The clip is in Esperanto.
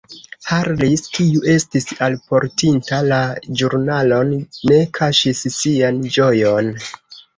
Harris, kiu estis alportinta la ĵurnalon, ne kaŝis sian ĝojon.